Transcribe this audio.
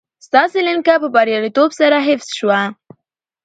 ستاسي لېنکه په برياليتوب سره حفظ شوه